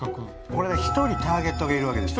これね１人ターゲットがいるわけですよ。